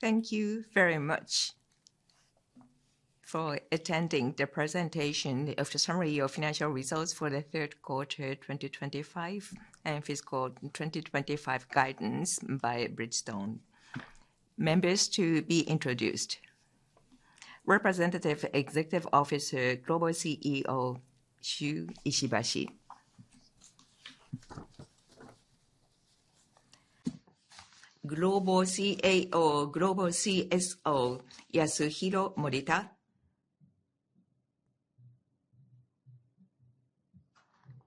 Thank you very much for attending the presentation of the summary of financial results for the third quarter 2025 and fiscal 2025 guidance by Bridgestone. Members to be introduced: Representative Executive Officer, Global CEO Shu Ishibashi. Global CAO, Global CSO Yasuhiro Morita.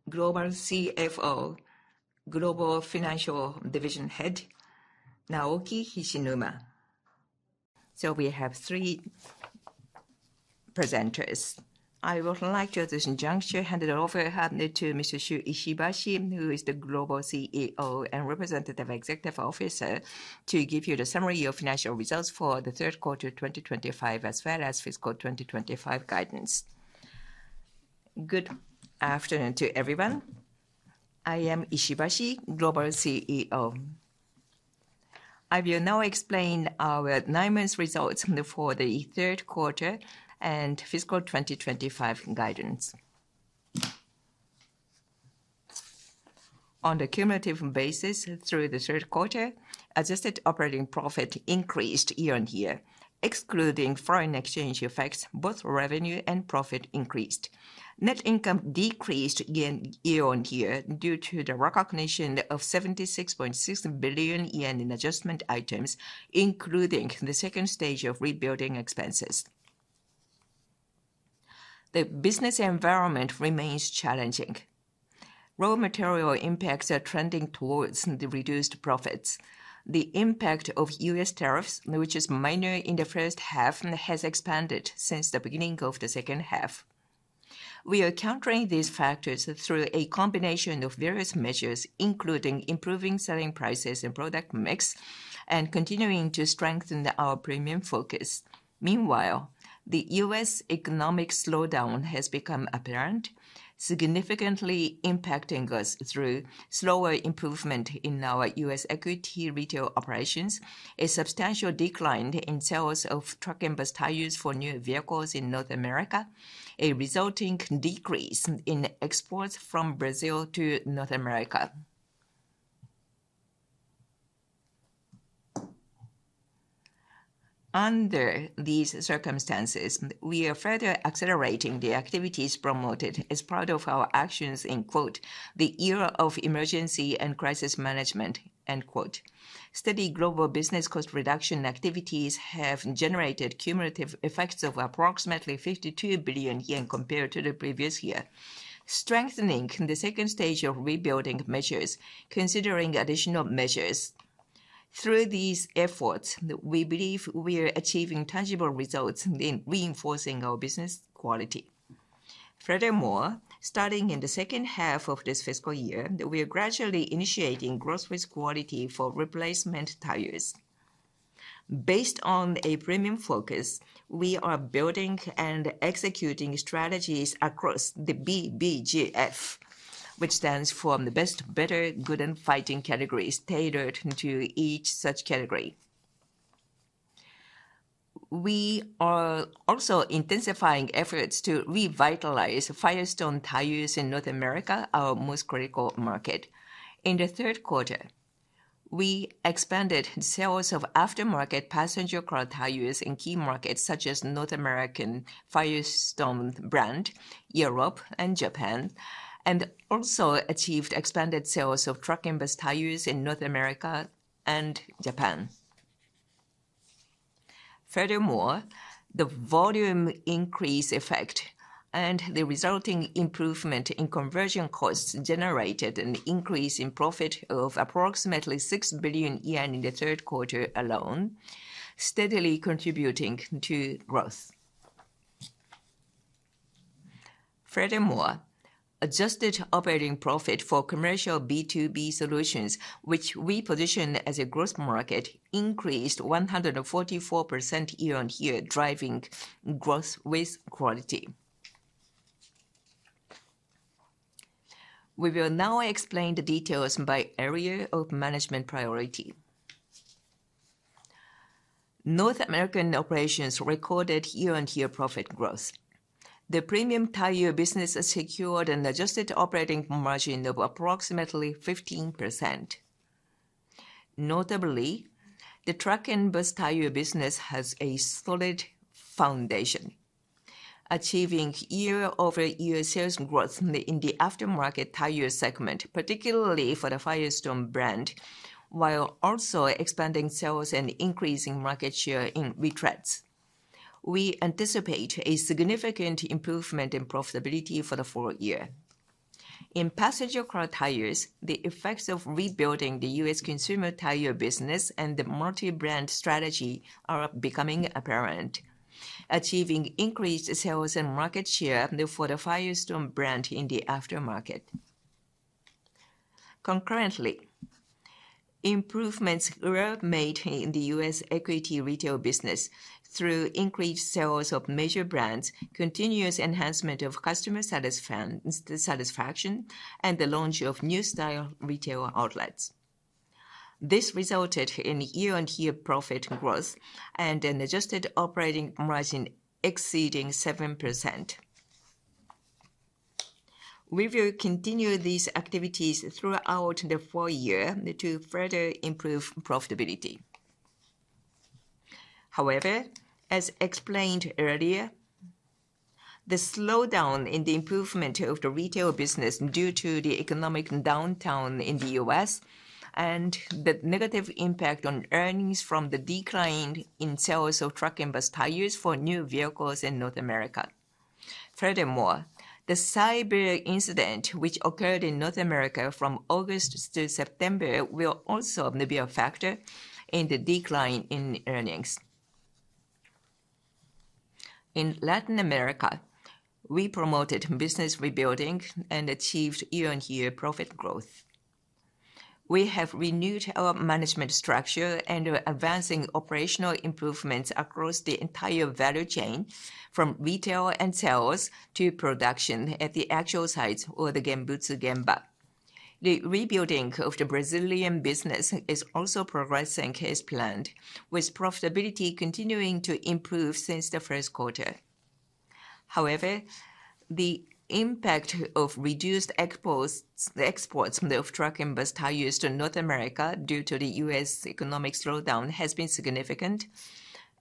Global CFO, Global Financial Division Head Naoki Hishinuma. So we have three presenters. I would like to at this juncture hand it over happily to Mr. Shu Ishibashi, who is the Global CEO and Representative Executive Officer, to give you the summary of financial results for the third quarter 2025 as well as fiscal 2025 guidance. Good afternoon to everyone. I am Ishibashi, Global CEO. I will now explain our nine-month results for the third quarter and fiscal 2025 guidance. On a cumulative basis, through the third quarter, adjusted operating profit increased year on year, excluding foreign exchange effects. Both revenue and profit increased. Net income decreased year on year due to the recognition of 76.6 billion yen in adjustment items, including the second stage of rebuilding expenses. The business environment remains challenging. Raw material impacts are trending towards reduced profits. The impact of U.S. tariffs, which is minor in the first half, has expanded since the beginning of the second half. We are countering these factors through a combination of various measures, including improving selling prices and product mix, and continuing to strengthen our premium focus. Meanwhile, the U.S. economic slowdown has become apparent, significantly impacting us through slower improvement in our U.S. equity retail operations, a substantial decline in sales of truck and bus tires for new vehicles in North America, a resulting decrease in exports from Brazil to North America. Under these circumstances, we are further accelerating the activities promoted as part of our actions in, quote, the era of emergency and crisis management, end quote. Steady global business cost reduction activities have generated cumulative effects of approximately 52 billion yen compared to the previous year, strengthening the second stage of rebuilding measures, considering additional measures. Through these efforts, we believe we are achieving tangible results in reinforcing our business quality. Furthermore, starting in the second half of this fiscal year, we are gradually initiating gross fixed quality for replacement tires. Based on a premium focus, we are building and executing strategies across the BBGF, which stands for the best, better, good, and fighting categories, tailored to each such category. We are also intensifying efforts to revitalize Firestone Tires in North America, our most critical market. In the third quarter, we expanded sales of aftermarket passenger car tires in key markets such as North American Firestone brand, Europe, and Japan, and also achieved expanded sales of truck and bus tires in North America and Japan. Furthermore, the volume increase effect and the resulting improvement in conversion costs generated an increase in profit of approximately 6 billion yen in the third quarter alone, steadily contributing to growth. Furthermore, adjusted operating profit for commercial B2B solutions, which we position as a gross market, increased 144% year on year, driving gross fixed quality. We will now explain the details by area of management priority. North American operations recorded year-on-year profit growth. The premium tire business secured an adjusted operating margin of approximately 15%. Notably, the truck and bus tire business has a solid foundation, achieving year-over-year sales growth in the aftermarket tire segment, particularly for the Firestone brand, while also expanding sales and increasing market share in retreads. We anticipate a significant improvement in profitability for the full year. In passenger car tires, the effects of rebuilding the U.S. consumer tire business and the multi-brand strategy are becoming apparent, achieving increased sales and market share for the Firestone brand in the aftermarket. Concurrently, improvements were made in the U.S. equity retail business through increased sales of major brands, continuous enhancement of customer satisfaction, and the launch of new-style retail outlets. This resulted in year-on-year profit growth and an adjusted operating margin exceeding 7%. We will continue these activities throughout the full year to further improve profitability. However, as explained earlier, the slowdown in the improvement of the retail business due to the economic downturn in the U.S. and the negative impact on earnings from the decline in sales of truck and bus tires for new vehicles in North America. Furthermore, the cyber incident which occurred in North America from August to September will also be a factor in the decline in earnings. In Latin America, we promoted business rebuilding and achieved year-on-year profit growth. We have renewed our management structure and are advancing operational improvements across the entire value chain, from retail and sales to production at the actual sites or the gembutsu gemba. The rebuilding of the Brazilian business is also progressing as planned, with profitability continuing to improve since the first quarter. However, the impact of reduced exports of truck and bus tires to North America due to the U.S. economic slowdown has been significant,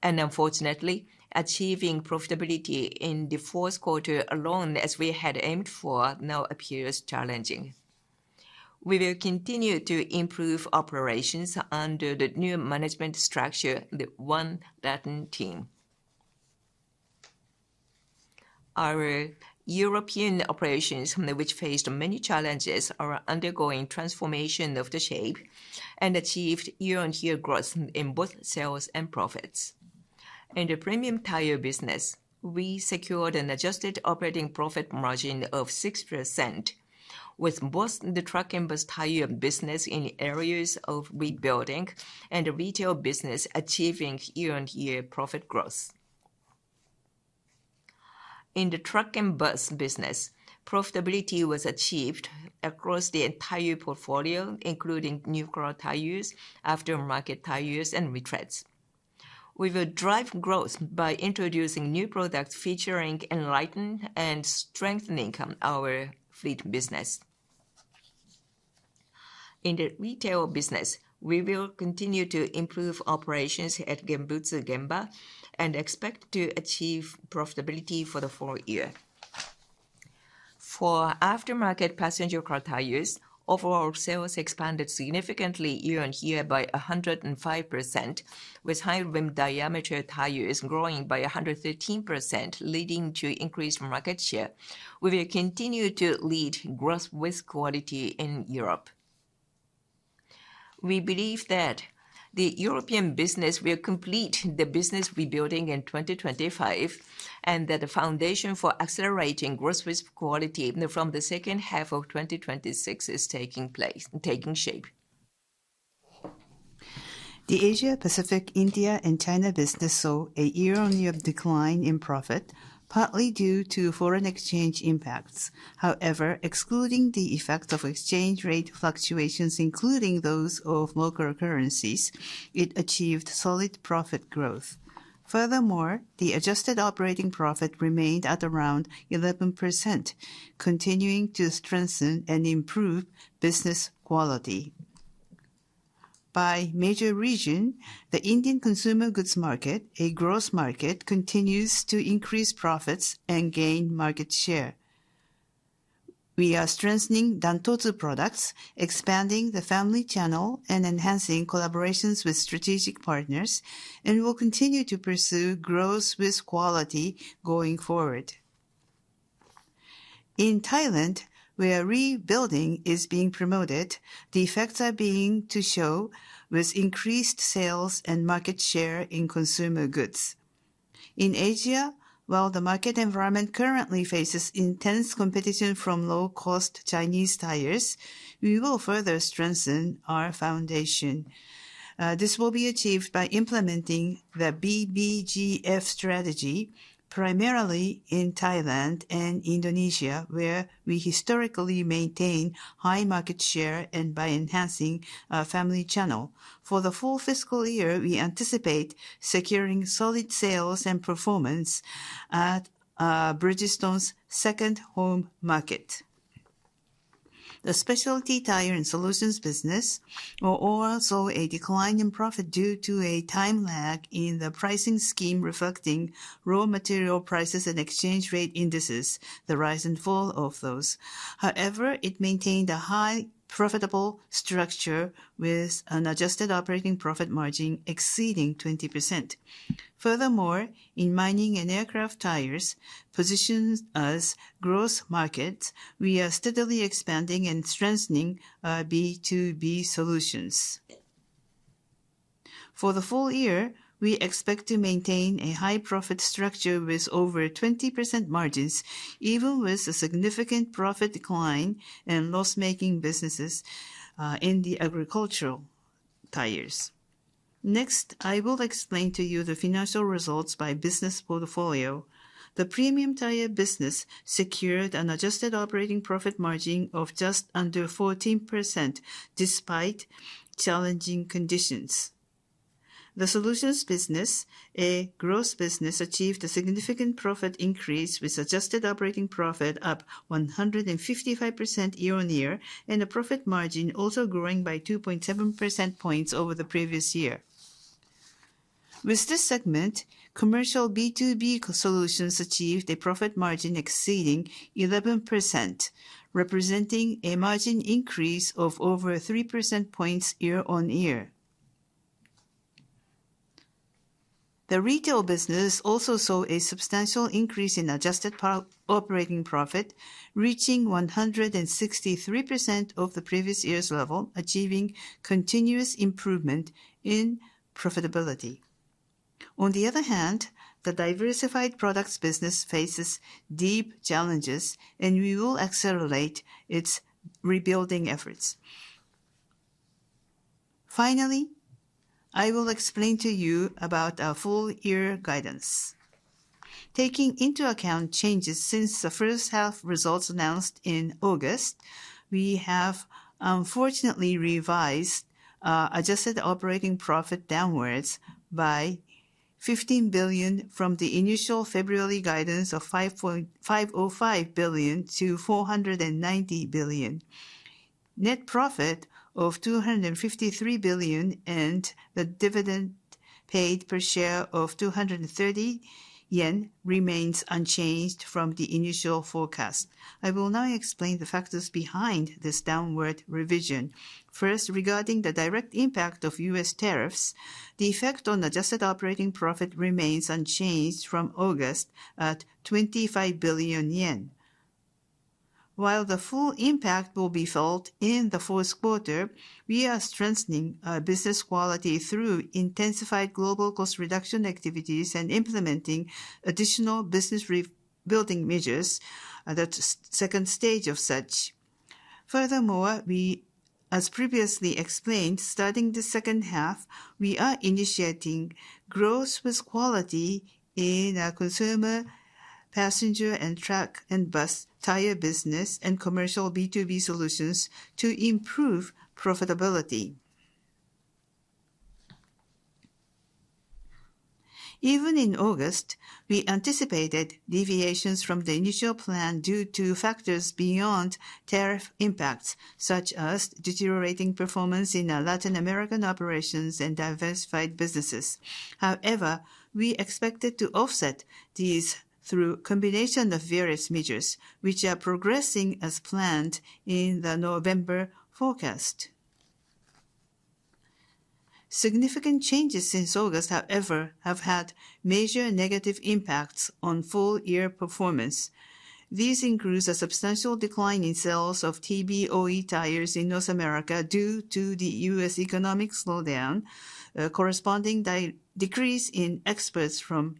and unfortunately, achieving profitability in the fourth quarter alone, as we had aimed for, now appears challenging. We will continue to improve operations under the new management structure, the One Latin Team. Our European operations, which faced many challenges, are undergoing transformation of the shape and achieved year-on-year growth in both sales and profits. In the premium tire business, we secured an adjusted operating profit margin of 6%, with both the trucking bus tire business in areas of rebuilding and the retail business achieving year-on-year profit growth. In the trucking bus business, profitability was achieved across the entire portfolio, including new car tires, aftermarket tires, and retreads. We will drive growth by introducing new products featuring enlightened and strengthening our fleet business. In the retail business, we will continue to improve operations at Genbutsu-Genba and expect to achieve profitability for the full year. For aftermarket passenger car tires, overall sales expanded significantly year-on-year by 105%, with high rim diameter tires growing by 113%, leading to increased market share. We will continue to lead gross fixed quality in Europe. We believe that the European business will complete the business rebuilding in 2025 and that the foundation for accelerating gross fixed quality from the second half of 2026 is taking shape. The Asia-Pacific, India, and China business saw a year-on-year decline in profit, partly due to foreign exchange impacts. However, excluding the effects of exchange rate fluctuations, including those of local currencies, it achieved solid profit growth. Furthermore, the adjusted operating profit remained at around 11%, continuing to strengthen and improve business quality. By major region, the Indian consumer goods market, a gross market, continues to increase profits and gain market share. We are strengthening DANTOTSU products, expanding the family channel, and enhancing collaborations with strategic partners, and will continue to pursue gross fixed quality going forward. In Thailand, where rebuilding is being promoted, the effects are being shown with increased sales and market share in consumer goods. In Asia, while the market environment currently faces intense competition from low-cost Chinese tires, we will further strengthen our foundation. This will be achieved by implementing the BBGF strategy, primarily in Thailand and Indonesia, where we historically maintain high market share and by enhancing our family channel. For the full fiscal year, we anticipate securing solid sales and performance at Bridgestone's second home market. The specialty tire and solutions business saw a decline in profit due to a time lag in the pricing scheme reflecting raw material prices and exchange rate indices, the rise and fall of those. However, it maintained a high profitable structure with an adjusted operating profit margin exceeding 20%. Furthermore, in mining and aircraft tires, positioned as gross markets, we are steadily expanding and strengthening our B2B solutions. For the full year, we expect to maintain a high profit structure with over 20% margins, even with a significant profit decline and loss-making businesses in the agricultural tires. Next, I will explain to you the financial results by business portfolio. The premium tire business secured an adjusted operating profit margin of just under 14% despite challenging conditions. The solutions business, a gross business, achieved a significant profit increase with adjusted operating profit up 155% year-on-year and a profit margin also growing by 2.7 percentage points over the previous year. With this segment, commercial B2B solutions achieved a profit margin exceeding 11%, representing a margin increase of over 3 percentage points year-on-year. The retail business also saw a substantial increase in adjusted operating profit, reaching 163% of the previous year's level, achieving continuous improvement in profitability. On the other hand, the diversified products business faces deep challenges, and we will accelerate its rebuilding efforts. Finally, I will explain to you about our full-year guidance. Taking into account changes since the first half results announced in August, we have unfortunately revised adjusted operating profit downwards by 15 billion from the initial February guidance of 505 billion to 490 billion. Net profit of 253 billion and the dividend paid per share of 230 yen remains unchanged from the initial forecast. I will now explain the factors behind this downward revision. First, regarding the direct impact of U.S. tariffs, the effect on adjusted operating profit remains unchanged from August at 25 billion yen. While the full impact will be felt in the fourth quarter, we are strengthening business quality through intensified global cost reduction activities and implementing additional business rebuilding measures, the second stage of such. Furthermore, as previously explained, starting the second half, we are initiating gross fixed quality in our consumer, passenger, and truck and bus tire business and commercial B2B solutions to improve profitability. Even in August, we anticipated deviations from the initial plan due to factors beyond tariff impacts, such as deteriorating performance in Latin American operations and diversified businesses. However, we expected to offset these through a combination of various measures, which are progressing as planned in the November forecast. Significant changes since August, however, have had major negative impacts on full-year performance. These include a substantial decline in sales of TBR tires in North America due to the U.S. Economic slowdown, a corresponding decrease in exports from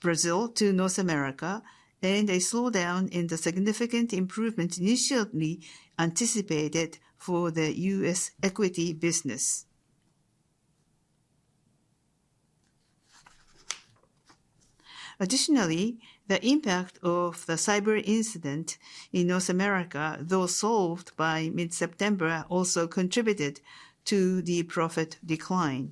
Brazil to North America, and a slowdown in the significant improvement initially anticipated for the U.S. equity business. Additionally, the impact of the cyber incident in North America, though solved by mid-September, also contributed to the profit decline.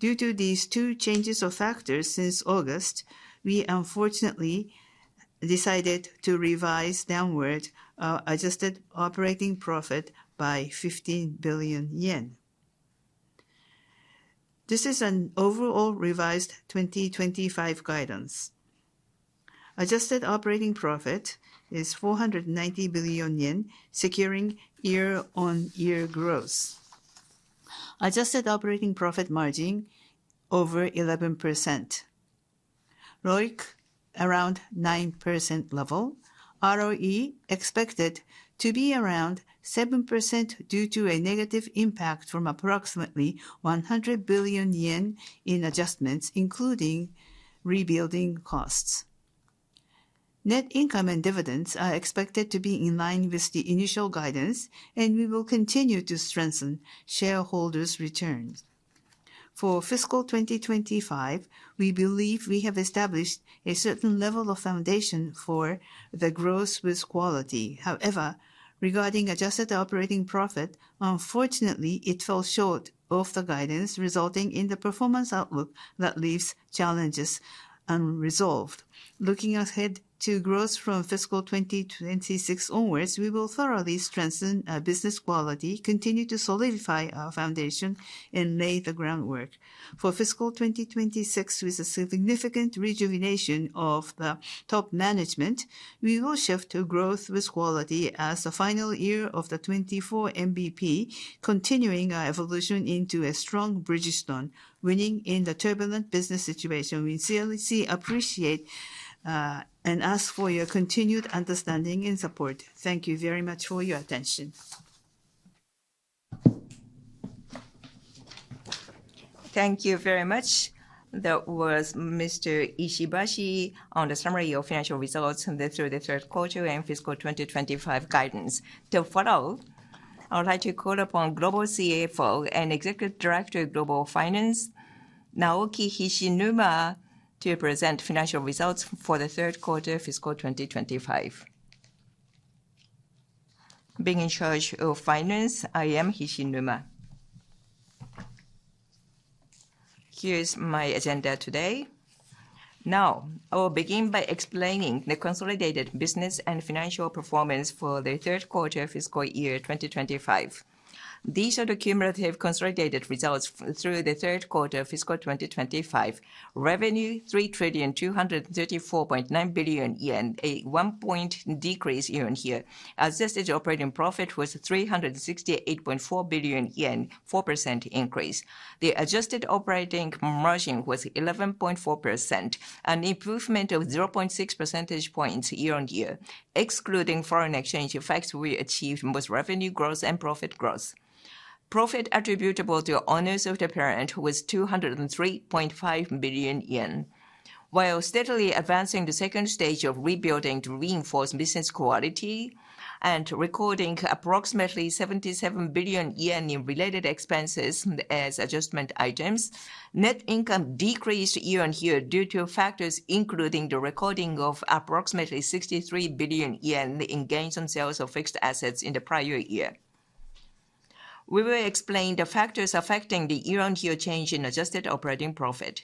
Due to these two changes of factors since August, we unfortunately decided to revise downward adjusted operating profit by 15 billion yen. This is an overall revised 2025 guidance. Adjusted operating profit is 490 billion yen, securing year-on-year growth. Adjusted operating profit margin over 11%, ROIC around 9% level, ROE expected to be around 7% due to a negative impact from approximately 100 billion yen in adjustments, including rebuilding costs. Net income and dividends are expected to be in line with the initial guidance, and we will continue to strengthen shareholders' returns. For fiscal 2025, we believe we have established a certain level of foundation for the gross fixed quality. However, regarding adjusted operating profit, unfortunately, it fell short of the guidance, resulting in the performance outlook that leaves challenges unresolved. Looking ahead to growth from fiscal 2026 onwards, we will thoroughly strengthen our business quality, continue to solidify our foundation, and lay the groundwork. For fiscal 2026, with a significant rejuvenation of the top management, we will shift to growth with quality as the final year of the 24 MBP, continuing our evolution into a strong Bridgestone. Winning in the turbulent business situation, we sincerely appreciate and ask for your continued understanding and support. Thank you very much for your attention. Thank you very much. That was Mr. Ishibashi on the summary of financial results through the third quarter and fiscal 2025 guidance. To follow, I would like to call upon Global CFO and Executive Director of Global Finance, Naoki Hishinuma, to present financial results for the third quarter fiscal 2025. Being in charge of finance, I am Hishinuma. Here's my agenda today. Now, I will begin by explaining the consolidated business and financial performance for the third quarter fiscal year 2025. These are the cumulative consolidated results through the third quarter fiscal 2025. Revenue: 3,234.9 billion yen, a 1% decrease year-on-year. Adjusted operating profit was 368.4 billion yen, a 4% increase. The adjusted operating margin was 11.4%, an improvement of 0.6 percentage points year-on-year. Excluding foreign exchange effects, we achieved both revenue growth and profit growth. Profit attributable to owners of the parent was 203.5 billion yen. While steadily advancing the second stage of rebuilding to reinforce business quality and recording approximately 77 billion yen in related expenses as adjustment items, net income decreased year-on-year due to factors including the recording of approximately 63 billion yen in gains on sales of fixed assets in the prior year. We will explain the factors affecting the year-on-year change in adjusted operating profit.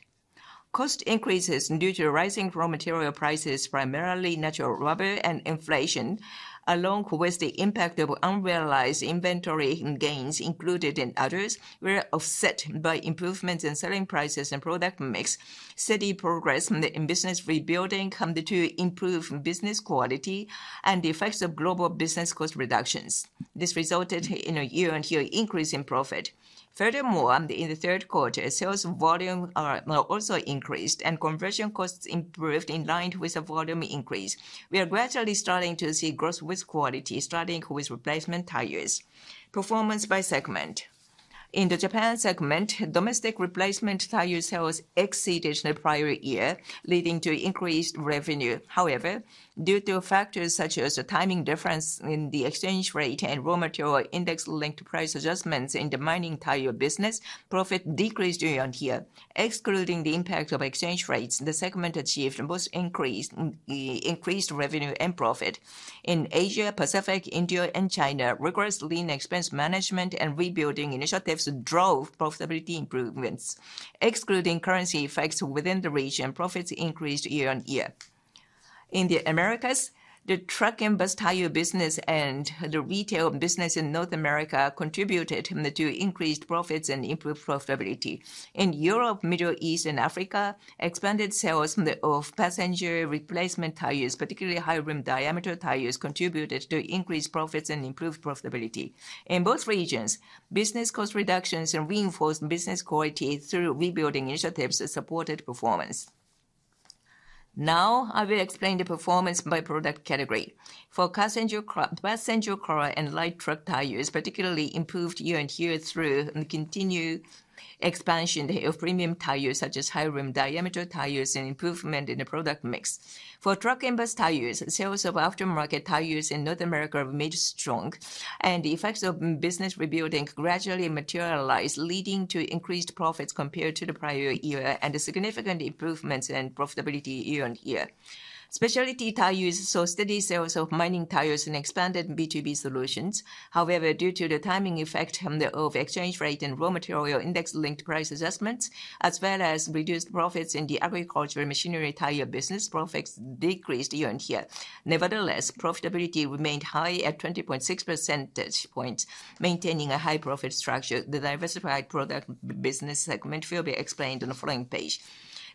Cost increases due to rising raw material prices, primarily natural rubber, and inflation, along with the impact of unrealized inventory and gains included in others, were offset by improvements in selling prices and product mix. Steady progress in business rebuilding came to improve business quality and the effects of global business cost reductions. This resulted in a year-on-year increase in profit. Furthermore, in the third quarter, sales volume also increased and conversion costs improved in line with the volume increase. We are gradually starting to see gross fixed quality starting with replacement tires. Performance by segment. In the Japan segment, domestic replacement tire sales exceeded the prior year, leading to increased revenue. However, due to factors such as the timing difference in the exchange rate and raw material index-linked price adjustments in the mining tire business, profit decreased year-on-year. Excluding the impact of exchange rates, the segment achieved most increased revenue and profit. In Asia-Pacific, India, and China, regressed lean expense management and rebuilding initiatives drove profitability improvements. Excluding currency effects within the region, profits increased year-on-year. In the Americas, the truck and bus tire business and the retail business in North America contributed to increased profits and improved profitability. In Europe, the Middle East, and Africa, expanded sales of passenger replacement tires, particularly high rim diameter tires, contributed to increased profits and improved profitability. In both regions, business cost reductions and reinforced business quality through rebuilding initiatives supported performance. Now, I will explain the performance by product category. For passenger car and light truck tires, particularly improved year-on-year through the continued expansion of premium tires such as high rim diameter tires and improvement in the product mix. For truck and bus tires, sales of aftermarket tires in North America remained strong, and the effects of business rebuilding gradually materialized, leading to increased profits compared to the prior year and significant improvements in profitability year-on-year. Specialty tires saw steady sales of mining tires and expanded B2B solutions. However, due to the timing effect of exchange rate and raw material index-linked price adjustments, as well as reduced profits in the agricultural machinery tire business, profits decreased year-on-year. Nevertheless, profitability remained high at 20.6 percentage points, maintaining a high profit structure. The diversified products business segment will be explained on the following page.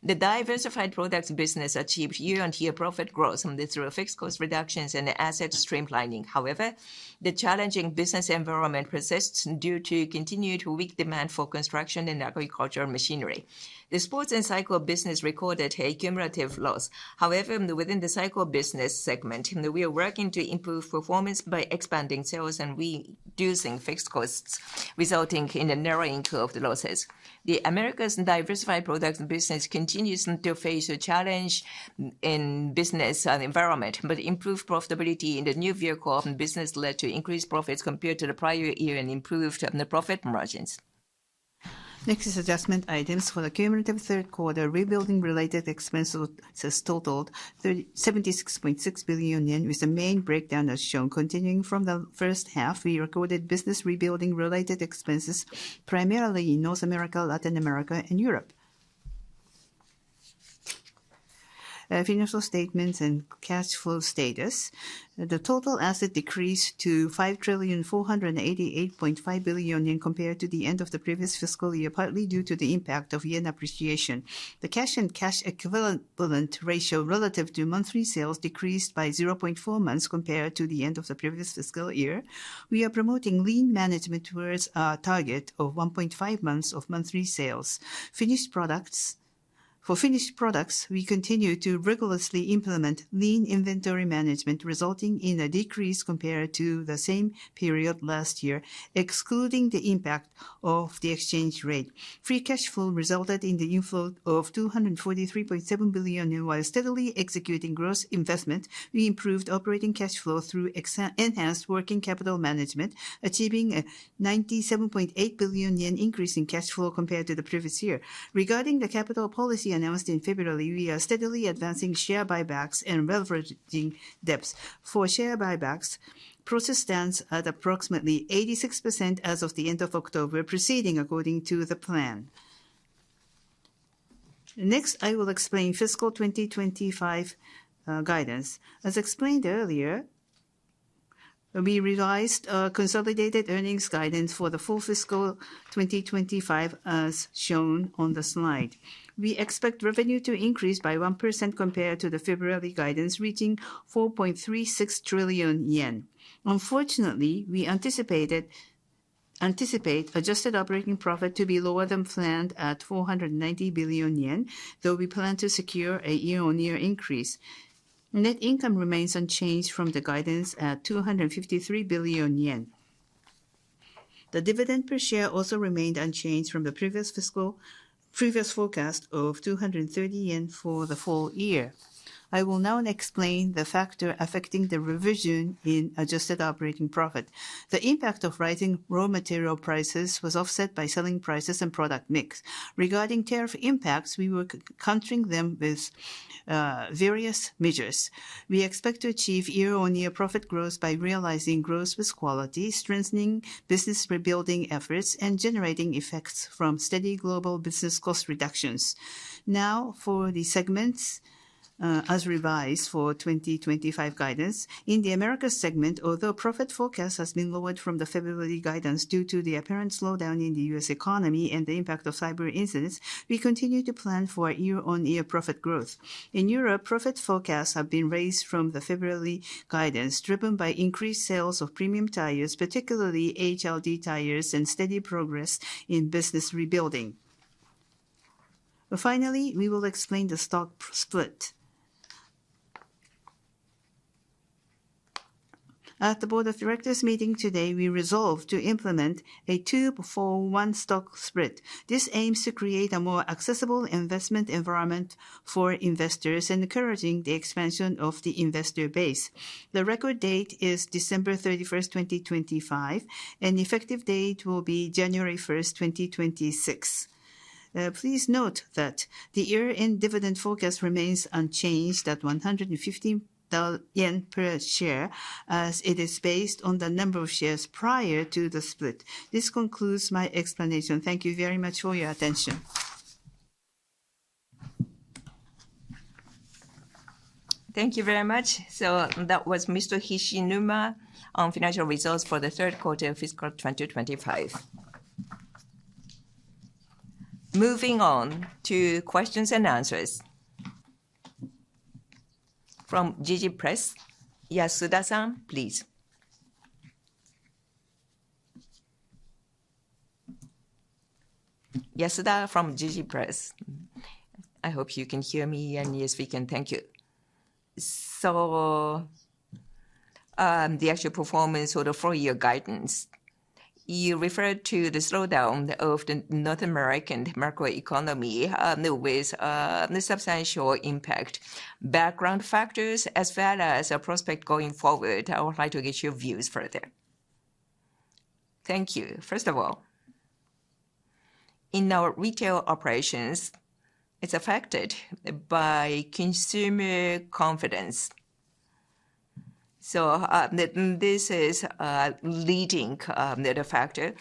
The diversified products business achieved year-on-year profit growth through fixed cost reductions and asset streamlining. However, the challenging business environment persists due to continued weak demand for construction and agricultural machinery. The sports and cycle business recorded a cumulative loss. However, within the cycle business segment, we are working to improve performance by expanding sales and reducing fixed costs, resulting in a narrowing curve of the losses. The Americas diversified products business continues to face a challenge in business and environment, but improved profitability in the new vehicle business led to increased profits compared to the prior year and improved profit margins. Next is adjustment items for the cumulative third quarter. Rebuilding-related expenses totaled 76.6 billion yen, with the main breakdown as shown. Continuing from the first half, we recorded business rebuilding-related expenses primarily in North America, Latin America, and Europe. Financial statements and cash flow status. The total asset decreased to 5,488.5 billion yen compared to the end of the previous fiscal year, partly due to the impact of yen appreciation. The cash and cash equivalent ratio relative to monthly sales decreased by 0.4 months compared to the end of the previous fiscal year. We are promoting lean management towards our target of 1.5 months of monthly sales. Finished products. For finished products, we continue to rigorously implement lean inventory management, resulting in a decrease compared to the same period last year, excluding the impact of the exchange rate. Free cash flow resulted in the inflow of JPY 243.7 billion. While steadily executing gross investment, we improved operating cash flow through enhanced working capital management, achieving a 97.8 billion yen increase in cash flow compared to the previous year. Regarding the capital policy announced in February, we are steadily advancing share buybacks and leveraging debts. For share buybacks, process stands at approximately 86% as of the end of October, proceeding according to the plan. Next, I will explain fiscal 2025 guidance. As explained earlier, we revised consolidated earnings guidance for the full fiscal 2025 as shown on the slide. We expect revenue to increase by 1% compared to the February guidance, reaching 4.36 trillion yen. Unfortunately, we anticipate adjusted operating profit to be lower than planned at 490 billion yen, though we plan to secure a year-on-year increase. Net income remains unchanged from the guidance at 253 billion yen. The dividend per share also remained unchanged from the previous forecast of 230 yen for the full year. I will now explain the factor affecting the revision in adjusted operating profit. The impact of rising raw material prices was offset by selling prices and product mix. Regarding tariff impacts, we were countering them with various measures. We expect to achieve year-on-year profit growth by realizing gross fixed quality, strengthening business rebuilding efforts, and generating effects from steady global business cost reductions. Now, for the segments as revised for 2025 guidance. In the Americas segment, although profit forecast has been lowered from the February guidance due to the apparent slowdown in the U.S. economy and the impact of cyber incidents, we continue to plan for year-on-year profit growth. In Europe, profit forecasts have been raised from the February guidance, driven by increased sales of premium tires, particularly HL tires, and steady progress in business rebuilding. Finally, we will explain the stock split. At the Board of Directors meeting today, we resolved to implement a 2-for-1 stock split. This aims to create a more accessible investment environment for investors and encouraging the expansion of the investor base. The record date is December 31, 2025, and the effective date will be January 1, 2026. Please note that the year-end dividend forecast remains unchanged at 150 yen per share, as it is based on the number of shares prior to the split. This concludes my explanation. Thank you very much for your attention. Thank you very much. That was Mr. Hishinuma on financial results for the third quarter of fiscal 2025. Moving on to questions and answers from Jiji Press. Yasuda-san, please. Yasuda from Jiji Press. I hope you can hear me and you are speaking. Thank you. The actual performance of the four-year guidance. You referred to the slowdown of the North American macroeconomy with a substantial impact. Background factors as well as a prospect going forward. I would like to get your views further. Thank you. First of all, in our retail operations, it is affected by consumer confidence. This is a leading factor,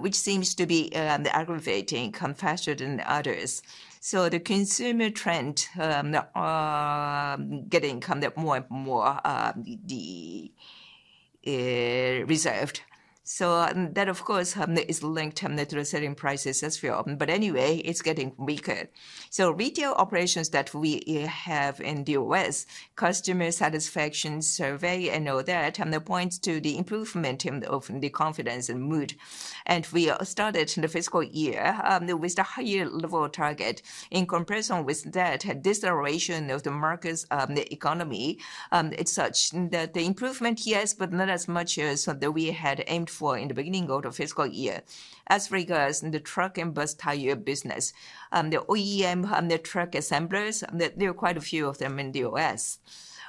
which seems to be aggravating faster than others. The consumer trend is getting more and more reserved. That, of course, is linked to the selling prices as well. Anyway, it is getting weaker. Retail operations that we have in the U.S., customer satisfaction survey and all that points to the improvement of the confidence and mood. We started the fiscal year with a higher level target. In comparison with that, this duration of the market's economy, it's such that the improvement, yes, but not as much as we had aimed for in the beginning of the fiscal year. As regards the truck and bus tire business, the OEM truck assemblers, there are quite a few of them in the U.S.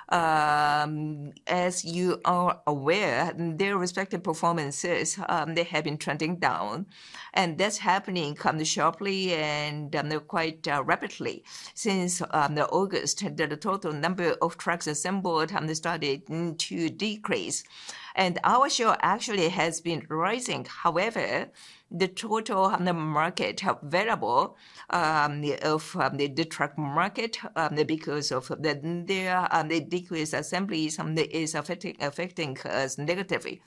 As you are aware, their respective performances, they have been trending down. That's happening sharply and quite rapidly since August that the total number of trucks assembled started to decrease. Our share actually has been rising. However, the total market variable of the truck market, because of the decreased assemblies, is affecting us negatively.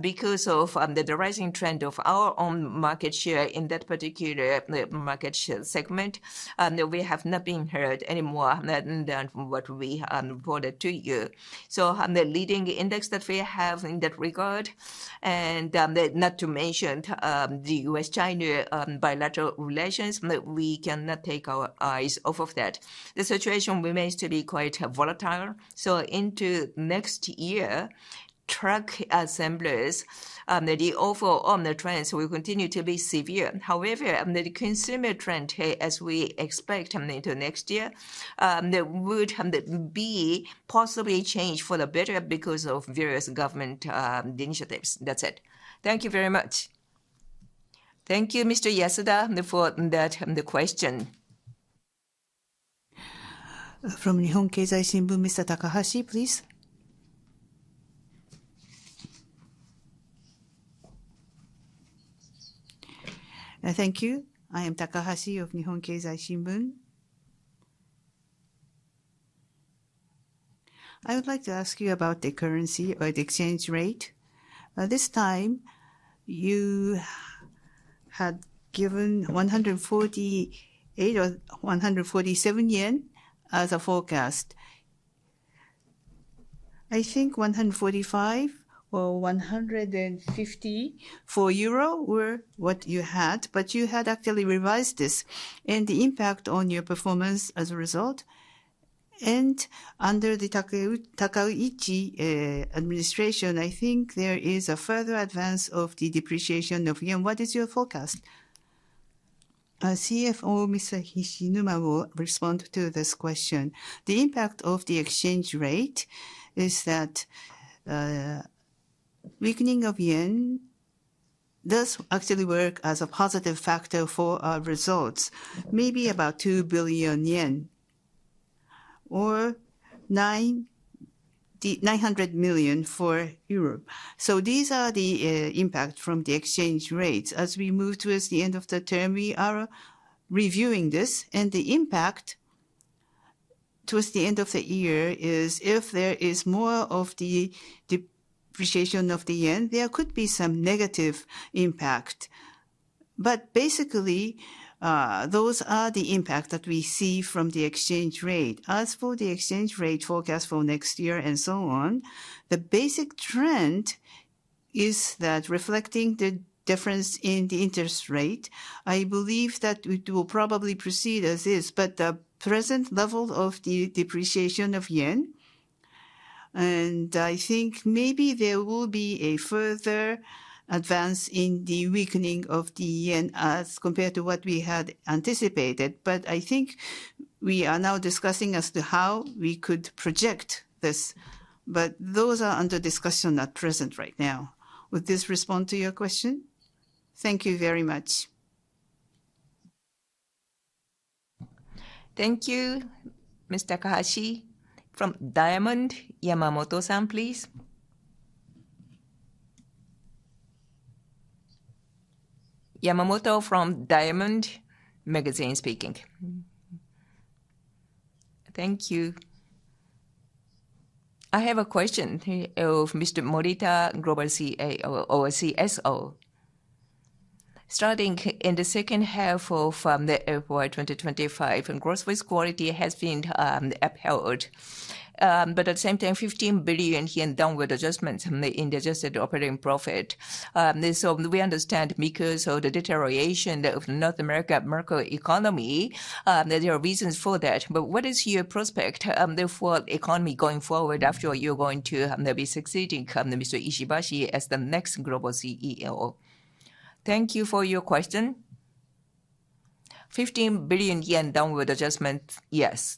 Because of the rising trend of our own market share in that particular market share segment, we have not been hurt any more than what we reported to you. The leading index that we have in that regard, and not to mention the U.S.-China bilateral relations, we cannot take our eyes off of that. The situation remains to be quite volatile. Into next year, truck assemblies, the overall trends will continue to be severe. However, the consumer trend, as we expect into next year, would be possibly changed for the better because of various government initiatives. That's it. Thank you very much. Thank you, Mr. Yasuda, for that question. From Nihon Keizai Shimbun, Mr. Takahashi, please. Thank you. I am Takahashi of Nihon Keizai Shimbun. I would like to ask you about the currency or the exchange rate. This time, you had given 148 or 147 yen as a forecast. I think 145 or 150 euro were what you had, but you had actually revised this and the impact on your performance as a result. Under the Takaichi administration, I think there is a further advance of the depreciation of yen. What is your forecast? CFO Mr. Hishinuma will respond to this question. The impact of the exchange rate is that weakening of yen does actually work as a positive factor for our results, maybe about 2 billion yen or 900 million for Europe. These are the impacts from the exchange rates. As we move towards the end of the term, we are reviewing this, and the impact towards the end of the year is if there is more of the depreciation of the yen, there could be some negative impact. Basically, those are the impacts that we see from the exchange rate. As for the exchange rate forecast for next year and so on, the basic trend is that reflecting the difference in the interest rate. I believe that it will probably proceed as is, but the present level of the depreciation of yen. I think maybe there will be a further advance in the weakening of the yen as compared to what we had anticipated. I think we are now discussing as to how we could project this. Those are under discussion at present right now. Would this respond to your question? Thank you very much. Thank you, Mr. Takahashi. From Diamond, Yamamoto-san, please. Yamamoto from Diamond Magazine speaking. Thank you. I have a question of Mr. Morita, Global CSO. Starting in the second half of the fiscal year 2025, gross fixed quality has been upheld. At the same time, 15 billion yen downward adjustments in the adjusted operating profit. We understand because of the deterioration of the North America macroeconomy, there are reasons for that. What is your prospect for the economy going forward after you are going to be succeeding Mr. Ishibashi as the next global CEO? Thank you for your question. 15 billion yen downward adjustment, yes.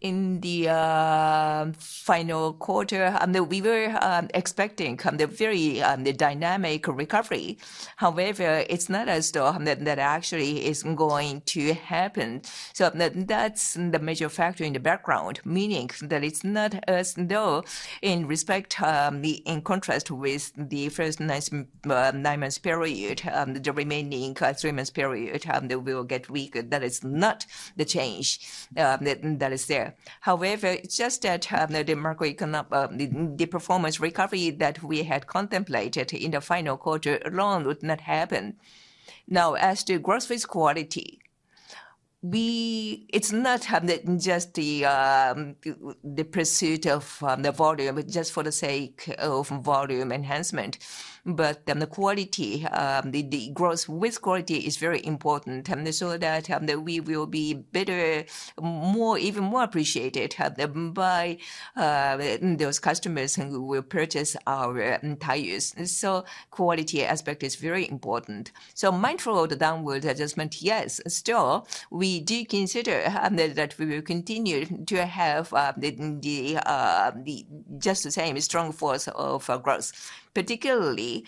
In the final quarter, we were expecting a very dynamic recovery. However, it is not as though that actually is going to happen. That is the major factor in the background, meaning that it is not as though in respect, in contrast with the first nine months period, the remaining three months period, that we will get weaker. That is not the change that is there. However, just that the macroeconomic, the performance recovery that we had contemplated in the final quarter alone would not happen. Now, as to gross fixed quality, it is not just the pursuit of the volume, just for the sake of volume enhancement. The quality, the gross fixed quality is very important. That we will be better, even more appreciated by those customers who will purchase our tires. Quality aspect is very important. Mindful of the downward adjustment, yes, still we do consider that we will continue to have just the same strong force of gross, particularly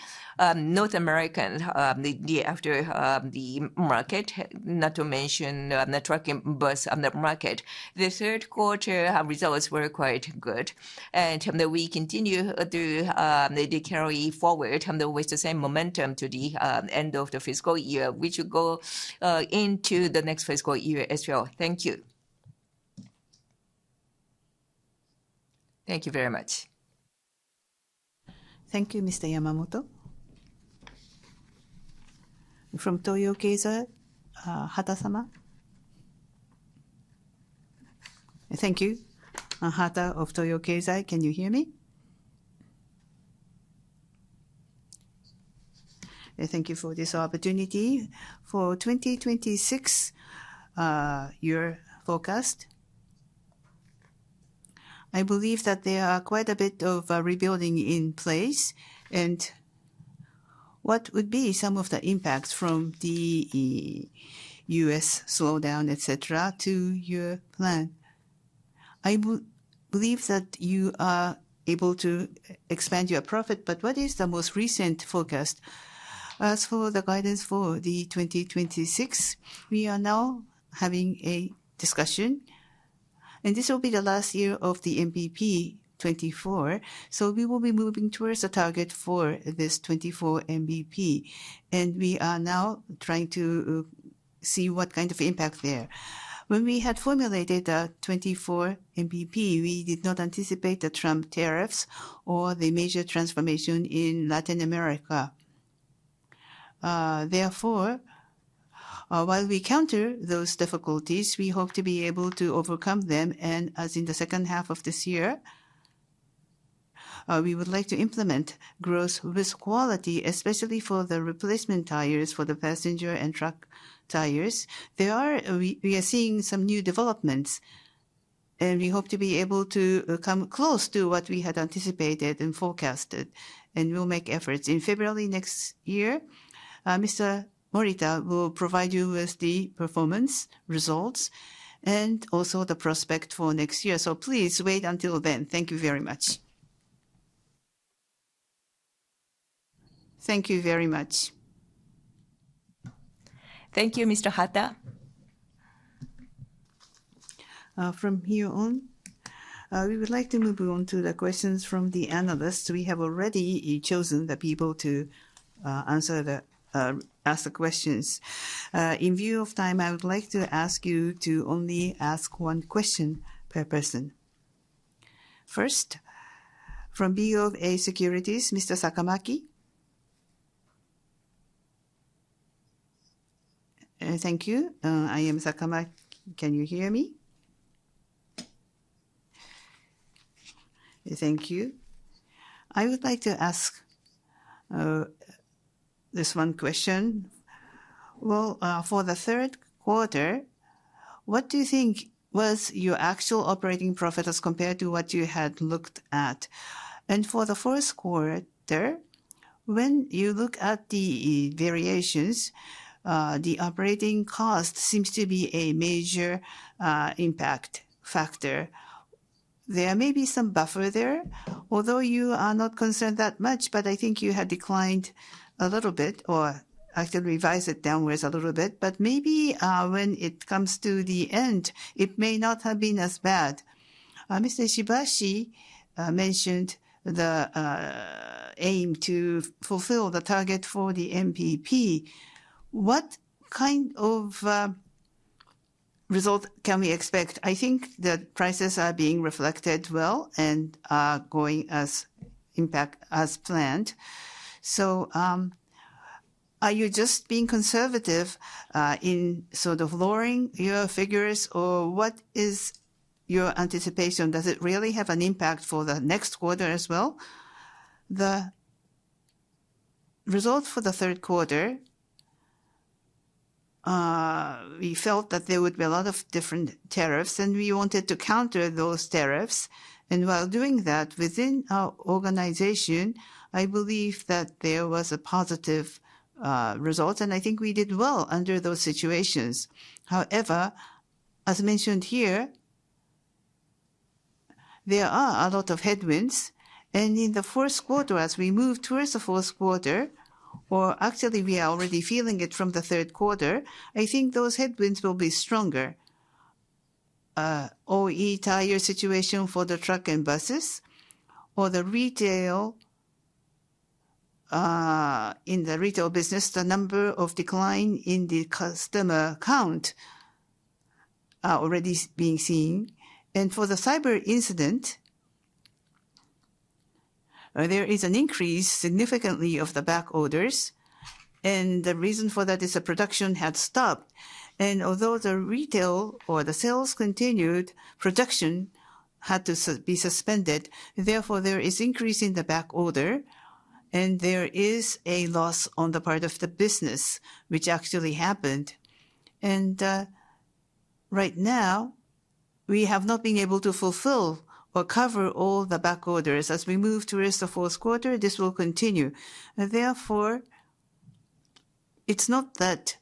North American, the after the market, not to mention the truck and bus market. The third quarter results were quite good. We continue to carry forward with the same momentum to the end of the fiscal year, which will go into the next fiscal year as well. Thank you. Thank you very much. Thank you, Mr. Yamamoto. From Toyo Keizai, Hata-sama. Thank you. Hata of Toyo Keizai, can you hear me? Thank you for this opportunity for 2026 year forecast. I believe that there are quite a bit of rebuilding in place. What would be some of the impacts from the U.S. slowdown, et cetera, to your plan? I believe that you are able to expand your profit. What is the most recent forecast? As for the guidance for 2026, we are now having a discussion. This will be the last year of the 24 MBP. We will be moving towards the target for this 24 MBP. We are now trying to see what kind of impact there. When we had formulated the 24 MBP, we did not anticipate the Trump tariffs or the major transformation in Latin America. Therefore, while we counter those difficulties, we hope to be able to overcome them. As in the second half of this year, we would like to implement gross fixed quality, especially for the replacement tires for the passenger and truck tires. There are, we are seeing some new developments. We hope to be able to come close to what we had anticipated and forecasted. We will make efforts. In February next year, Mr. Morita will provide you with the performance results and also the prospect for next year. Please wait until then. Thank you very much. Thank you very much. Thank you, Mr. Hata. From here on, we would like to move on to the questions from the analysts. We have already chosen the people to ask the questions. In view of time, I would like to ask you to only ask one question per person. First, from BOA Securities, Mr. Sakamaki. Thank you. I am Sakamaki. Can you hear me? Thank you. I would like to ask this one question. For the third quarter, what do you think was your actual operating profit as compared to what you had looked at? For the fourth quarter, when you look at the variations, the operating cost seems to be a major impact factor. There may be some buffer there, although you are not concerned that much. I think you had declined a little bit or actually revised it downwards a little bit. Maybe when it comes to the end, it may not have been as bad. Mr. Ishibashi mentioned the aim to fulfill the target for the MPP. What kind of result can we expect? I think that prices are being reflected well and are going as impact as planned. Are you just being conservative in sort of lowering your figures, or what is your anticipation? Does it really have an impact for the next quarter as well? The result for the third quarter, we felt that there would be a lot of different tariffs, and we wanted to counter those tariffs. While doing that within our organization, I believe that there was a positive result. I think we did well under those situations. However, as mentioned here, there are a lot of headwinds. In the fourth quarter, as we move towards the fourth quarter, or actually we are already feeling it from the third quarter, I think those headwinds will be stronger. OE tyre situation for the truck and buses, or the retail in the retail business, the number of decline in the customer count are already being seen. For the cyber incident, there is an increase significantly of the back orders. The reason for that is the production had stopped. Although the retail or the sales continued, production had to be suspended. Therefore, there is increase in the back order. There is a loss on the part of the business, which actually happened. Right now, we have not been able to fulfill or cover all the back orders. As we move towards the fourth quarter, this will continue. It is not that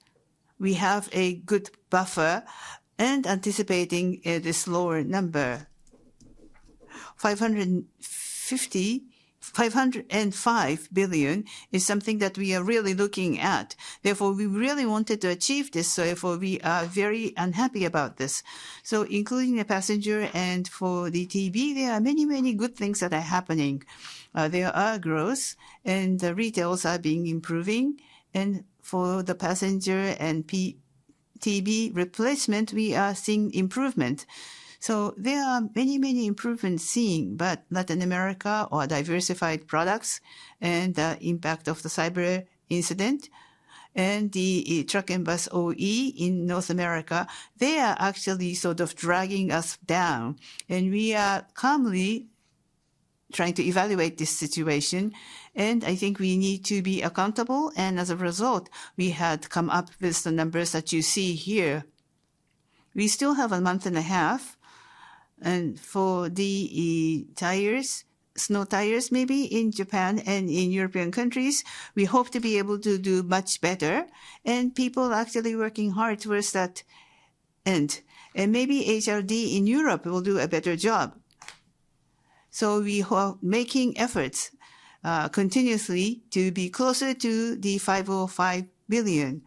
we have a good buffer and anticipating this lower number. 555 billion is something that we are really looking at. We really wanted to achieve this. We are very unhappy about this. Including the passenger and for the TB, there are many, many good things that are happening. There are growths, and the retails are being improving. For the passenger and TB replacement, we are seeing improvement. There are many, many improvements seen, but Latin America or diversified products and the impact of the cyber incident and the truck and bus OE in North America, they are actually sort of dragging us down. We are calmly trying to evaluate this situation. I think we need to be accountable. As a result, we had come up with the numbers that you see here. We still have a month and a half. For the tires, snow tires maybe in Japan and in European countries, we hope to be able to do much better. People are actually working hard towards that end. Maybe HRD in Europe will do a better job. We are making efforts continuously to be closer to the 505 billion.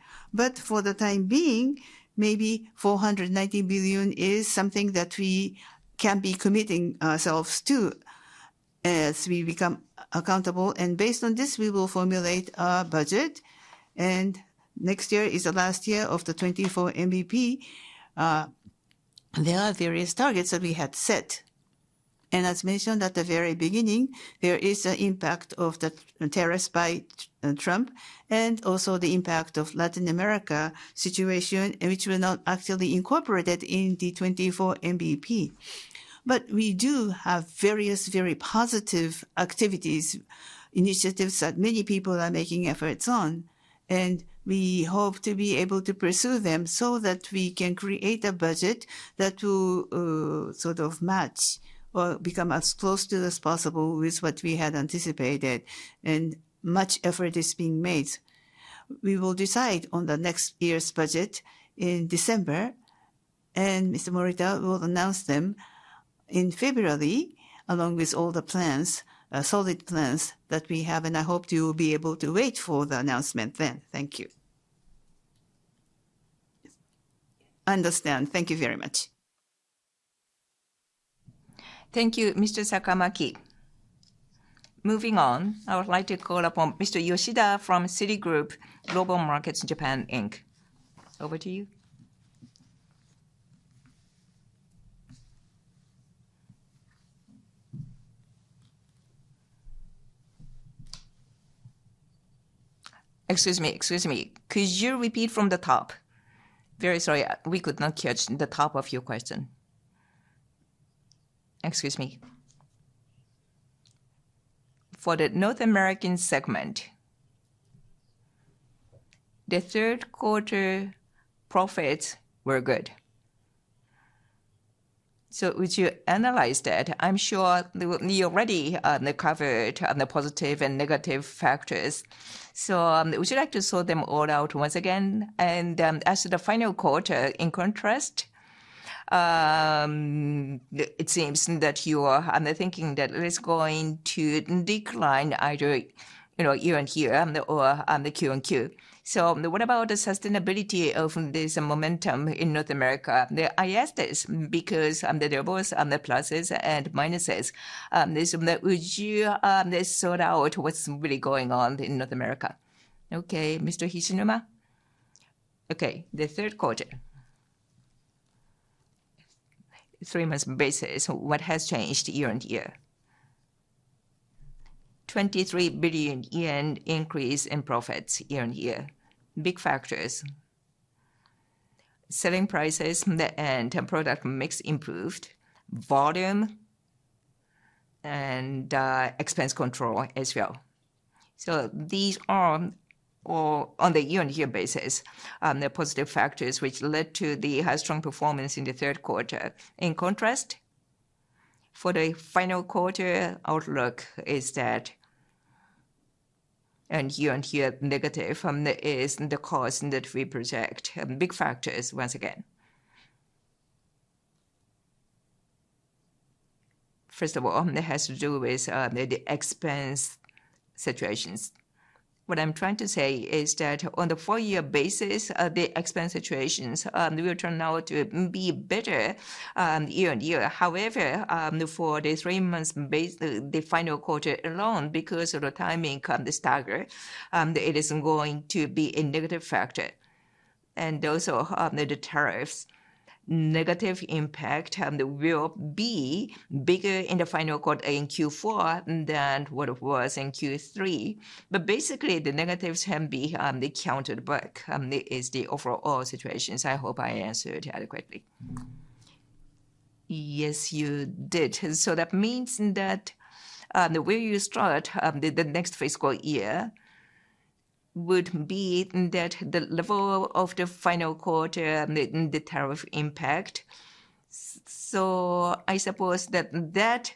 For the time being, maybe 490 billion is something that we can be committing ourselves to as we become accountable. Based on this, we will formulate our budget. Next year is the last year of the 24 MBP. There are various targets that we had set. As mentioned at the very beginning, there is the impact of the tariffs by Trump and also the impact of the Latin America situation, which were not actually incorporated in the 24 MBP. We do have various very positive activities, initiatives that many people are making efforts on. We hope to be able to pursue them so that we can create a budget that will sort of match or become as close to as possible with what we had anticipated. Much effort is being made. We will decide on next year's budget in December. Mr. Morita will announce them in February, along with all the plans, solid plans that we have. I hope you will be able to wait for the announcement then. Thank you. Understand. Thank you very much. Thank you, Mr. Sakamaki. Moving on, I would like to call upon Mr. Yoshida from Citigroup Global Markets Japan Inc. Over to you. Excuse me, excuse me. Could you repeat from the top? Very sorry. We could not catch the top of your question. Excuse me. For the North American segment, the third quarter profits were good. Would you analyze that? I am sure you already covered the positive and negative factors. Would you like to sort them all out once again? As to the final quarter, in contrast, it seems that you are thinking that it is going to decline either year on year or on the Q-on-Q. What about the sustainability of this momentum in North America? I ask this because there are both the pluses and minuses. Would you sort out what's really going on in North America? Okay. Mr. Hishinuma? Okay. The third quarter. Three months basis, what has changed year on year? 23 billion yen increase in profits year on year. Big factors. Selling prices and product mix improved. Volume and expense control as well. These are on the year on year basis, the positive factors which led to the high strong performance in the third quarter. In contrast, for the final quarter outlook is that year on year negative is the cost that we project. Big factors once again. First of all, it has to do with the expense situations. What I'm trying to say is that on the four-year basis, the expense situations will turn out to be better year on year. However, for the three months base, the final quarter alone, because of the timing of the staggered, it is going to be a negative factor. Also, the tariffs. Negative impact will be bigger in the final quarter in Q4 than what it was in Q3. Basically, the negatives can be counted back. It is the overall situation. I hope I answered adequately. Yes, you did. That means that where you start the next fiscal year would be that the level of the final quarter and the tariff impact. I suppose that that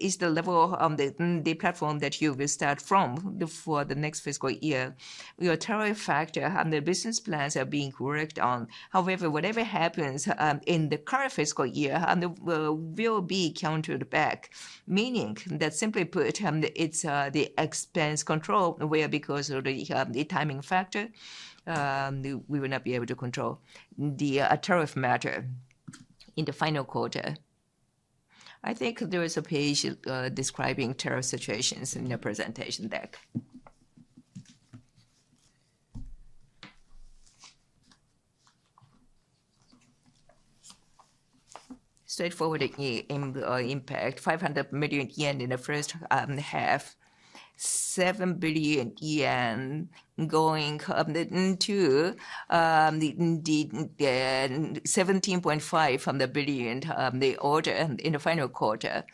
is the level of the platform that you will start from for the next fiscal year. Your tariff factor and the business plans are being worked on. However, whatever happens in the current fiscal year will be counted back, meaning that simply put, it's the expense control where because of the timing factor, we will not be able to control the tariff matter in the final quarter. I think there is a page describing tariff situations in the presentation deck. Straightforward impact, 500 million yen in the first half, 7 billion yen going to 17.5 billion from the billion order in the final quarter.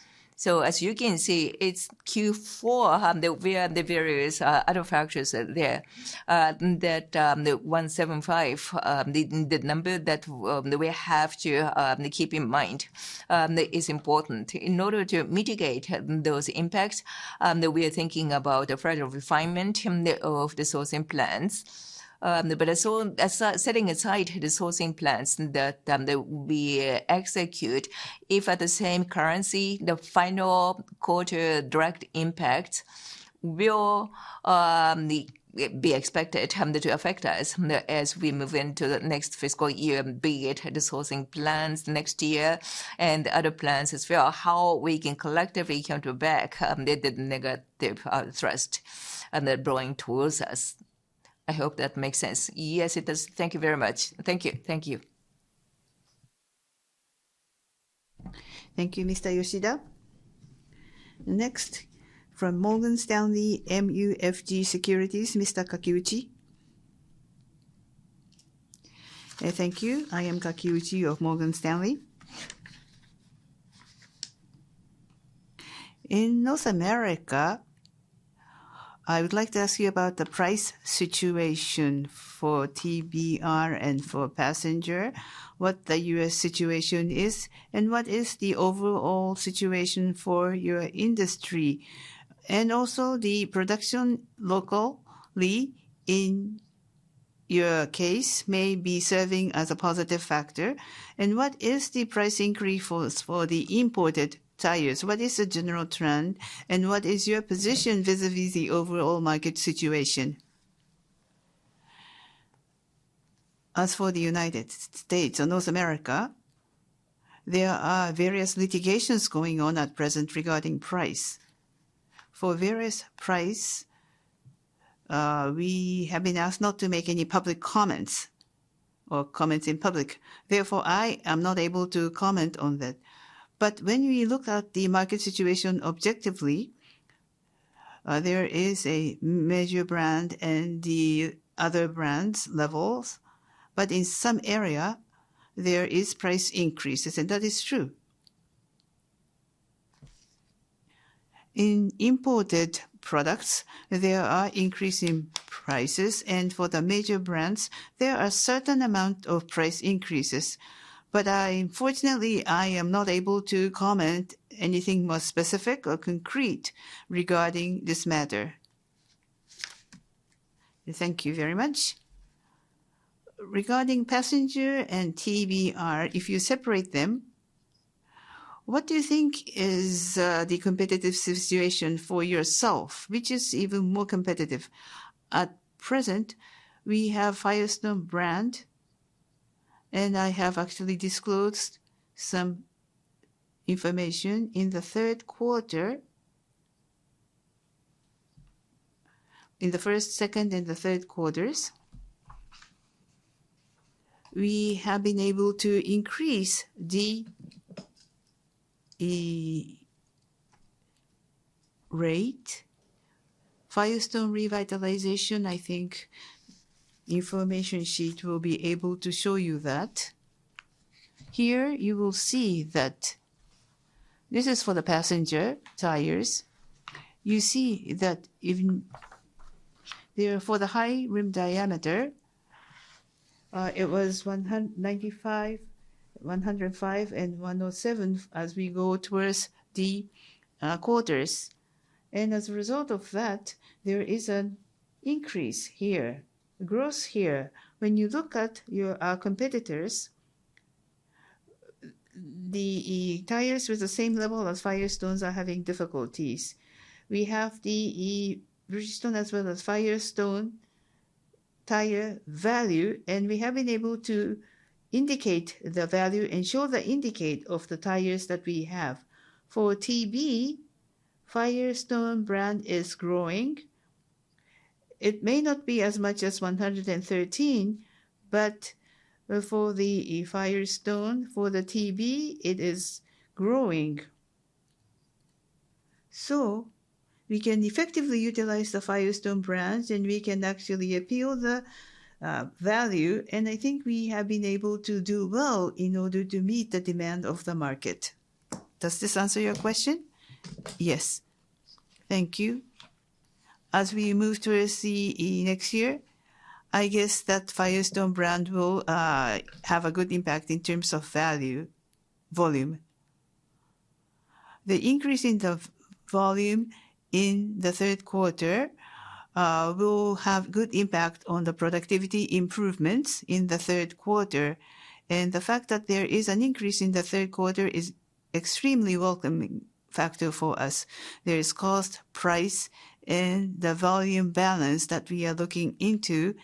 As you can see, it's Q4. There are the various other factors there that 17.5, the number that we have to keep in mind is important in order to mitigate those impacts. We are thinking about the further refinement of the sourcing plans. Setting aside the sourcing plans that we execute, if at the same currency, the final quarter direct impact will be expected to affect us as we move into the next fiscal year, be it the sourcing plans next year and other plans as well, how we can collectively counter back the negative thrust and the blowing towards us. I hope that makes sense. Yes, it does. Thank you very much. Thank you. Thank you. Thank you, Mr. Yoshida. Next, from Morgan Stanley MUFG Securities, Mr. Kakiuchi. Thank you. I am Kakiuchi of Morgan Stanley. In North America, I would like to ask you about the price situation for TBR and for passenger, what the US situation is, and what is the overall situation for your industry? Also, the production locally in your case may be serving as a positive factor. What is the price increase for the imported tires? What is the general trend? What is your position vis-à-vis the overall market situation? As for the United States and North America, there are various litigations going on at present regarding price. For various price, we have been asked not to make any public comments or comments in public. Therefore, I am not able to comment on that. When we look at the market situation objectively, there is a major brand and the other brands levels. In some area, there is price increases, and that is true. In imported products, there are increasing prices. For the major brands, there are certain amount of price increases. Unfortunately, I am not able to comment anything more specific or concrete regarding this matter. Thank you very much. Regarding passenger and TBR, if you separate them, what do you think is the competitive situation for yourself, which is even more competitive? At present, we have Firestone Brand, and I have actually disclosed some information in the third quarter, in the first, second, and the third quarters. We have been able to increase the rate. Firestone revitalization, I think information sheet will be able to show you that. Here you will see that this is for the passenger tires. You see that there for the high rim diameter, it was 195, 105, and 107 as we go towards the quarters. As a result of that, there is an increase here, growth here. When you look at your competitors, the tires with the same level as Firestone are having difficulties. We have the Bridgestone as well as Firestone tire value, and we have been able to indicate the value and show the indicator of the tires that we have. For TB, Firestone brand is growing. It may not be as much as 113, but for the Firestone, for the TB, it is growing. We can effectively utilize the Firestone brand, and we can actually appeal the value. I think we have been able to do well in order to meet the demand of the market. Does this answer your question? Yes. Thank you. As we move towards the next year, I guess that Firestone brand will have a good impact in terms of value volume. The increase in the volume in the third quarter will have good impact on the productivity improvements in the third quarter. The fact that there is an increase in the third quarter is an extremely welcoming factor for us. There is cost, price, and the volume balance that we are looking into.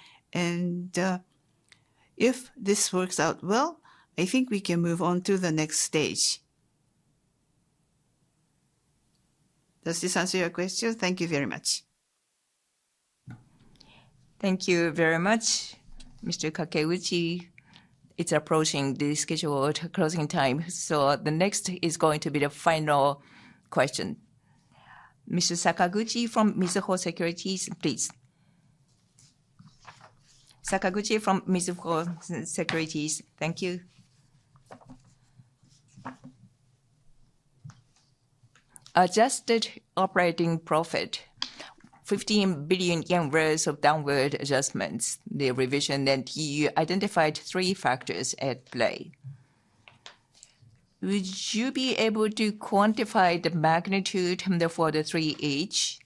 If this works out well, I think we can move on to the next stage. Does this answer your question? Thank you very much. Thank you very much, Mr. Kakiuchi. It is approaching the scheduled closing time. The next is going to be the final question. Mr. Sakaguchi from Mizuho Securities, please. Sakaguchi from Mizuho Securities, thank you. Adjusted operating profit, 15 billion yen worth of downward adjustments. The revision that you identified, three factors at play. Would you be able to quantify the magnitude for the 3H?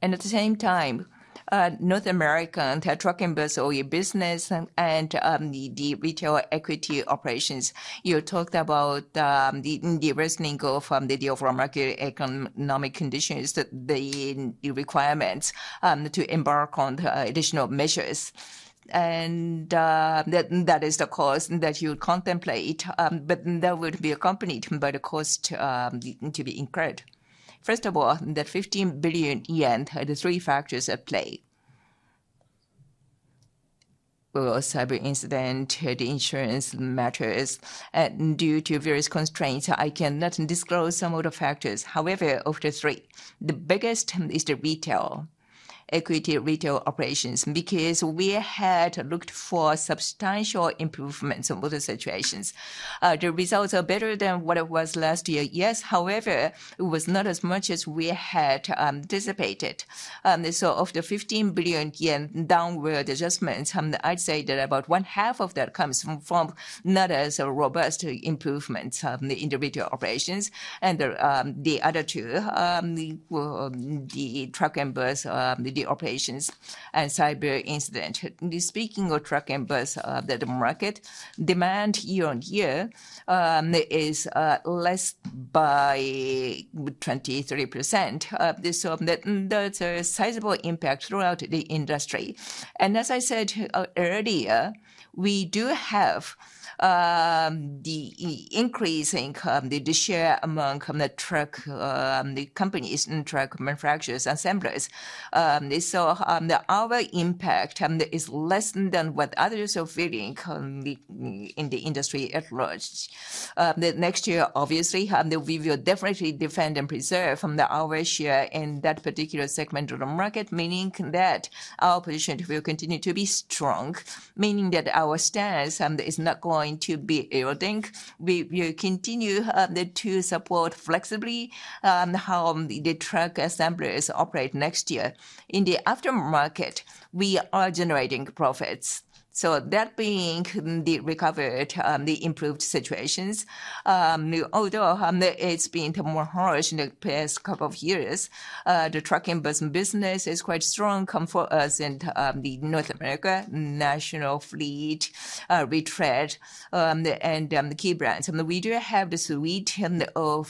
At the same time, North America and the trucking business and the retail equity operations, you talked about the worsening goal from the overall market economic conditions, the requirements to embark on additional measures. That is the cost that you contemplate, but that would be accompanied by the cost to be incurred. First of all, the 15 billion yen, the three factors at play: cyber incident, the insurance matters. Due to various constraints, I cannot disclose some of the factors. However, of the three, the biggest is the retail equity retail operations, because we had looked for substantial improvements of other situations. The results are better than what it was last year. Yes, however, it was not as much as we had anticipated. Of the 15 billion yen downward adjustments, I'd say that about one half of that comes from not as robust improvements of the individual operations. The other two, the truck and bus operations and cyber incident. Speaking of truck and bus, the market demand year on year is less by 23%. That is a sizable impact throughout the industry. As I said earlier, we do have the increase in the share among the truck companies and truck manufacturers and assemblers. Our impact is less than what others are feeling in the industry at large. Next year, obviously, we will definitely defend and preserve our share in that particular segment of the market, meaning that our position will continue to be strong, meaning that our stance is not going to be eroding. We will continue to support flexibly how the truck assemblers operate next year. In the aftermarket, we are generating profits. That being the recovered, the improved situations. Although it's been more harsh in the past couple of years, the truck and bus business is quite strong for us in the North America national fleet, retread, and key brands. We do have the suite of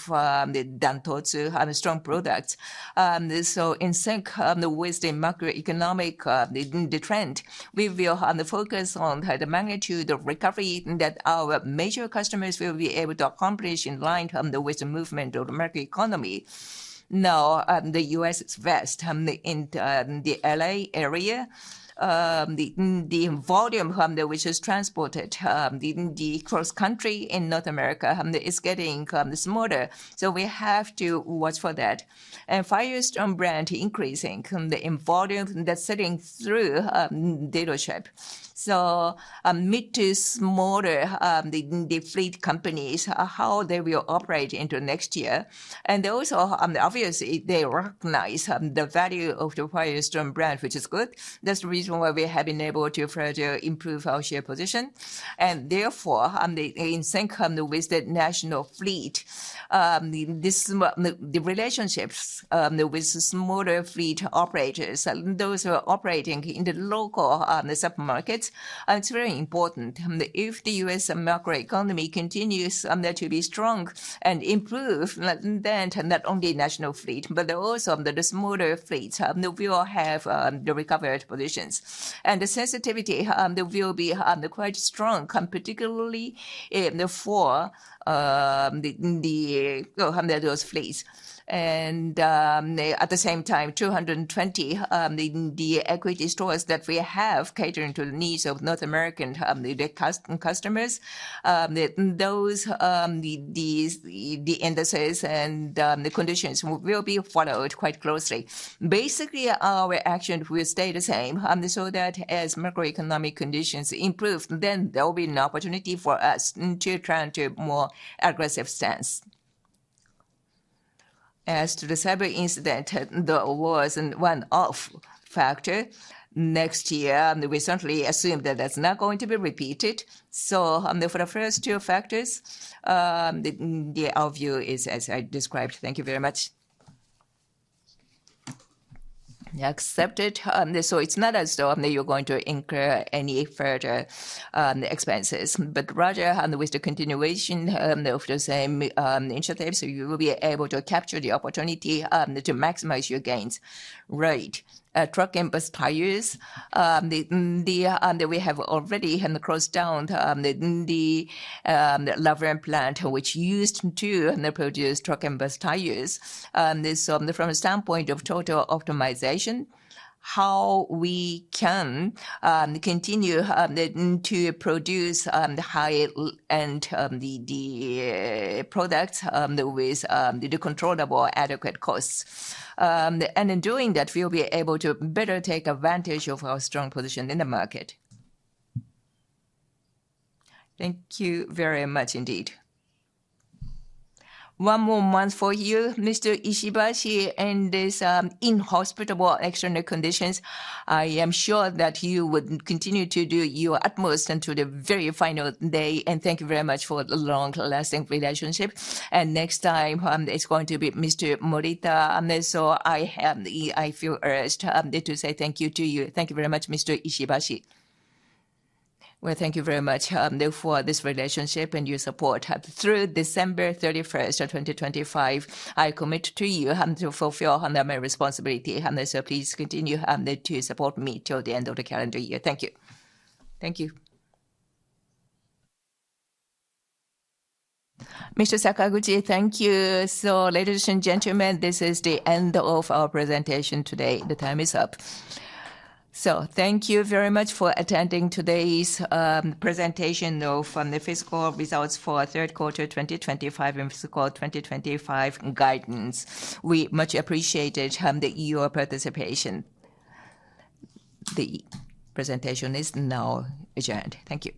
the DANTOTSU strong products. In sync with the macroeconomic trend, we will focus on the magnitude of recovery that our major customers will be able to accomplish in line with the movement of the macroeconomy. Now, the U.S. West in the LA area, the volume which is transported across country in North America is getting smaller. We have to watch for that. Firestone brand increasing in volume, that's sitting through dealership. Mid to smaller the fleet companies, how they will operate into next year. Also, obviously, they recognize the value of the Firestone brand, which is good. That is the reason why we have been able to further improve our share position. Therefore, in sync with the national fleet, the relationships with smaller fleet operators, those who are operating in the local supermarkets, it is very important. If the U.S. macroeconomy continues to be strong and improve, then not only national fleet, but also the smaller fleets, we will have the recovered positions. The sensitivity will be quite strong, particularly for those fleets. At the same time, 220 equity stores that we have catering to the needs of North American customers, those indices and the conditions will be followed quite closely. Basically, our action will stay the same. As macroeconomic conditions improve, there will be an opportunity for us to try a more aggressive stance. As to the cyber incident, there was one-off factor next year. We certainly assume that that's not going to be repeated. For the first two factors, the outlook is as I described. Thank you very much. Accepted. It's not as though you're going to incur any further expenses, but rather with the continuation of the same initiatives, you will be able to capture the opportunity to maximize your gains. Right. Truck and bus tires, we have already closed down the Laveran plant, which used to produce truck and bus tires. From the standpoint of total optimization, how we can continue to produce the high-end products with the controllable adequate costs. In doing that, we will be able to better take advantage of our strong position in the market. Thank you very much indeed. One more month for you, Mr. Ishibashi, and these inhospitable external conditions. I am sure that you would continue to do your utmost until the very final day. Thank you very much for the long-lasting relationship. Next time, it is going to be Mr. Morita. I feel urged to say thank you to you. Thank you very much, Mr. Ishibashi. Thank you very much for this relationship and your support. Through December 31, 2025, I commit to you to fulfill my responsibility. Please continue to support me till the end of the calendar year. Thank you. Thank you. Mr. Sakaguchi, thank you. Ladies and gentlemen, this is the end of our presentation today. The time is up. Thank you very much for attending today's presentation of the fiscal results for third quarter 2025 and fiscal 2025 guidance. We much appreciated the EU participation. The presentation is now adjourned. Thank you.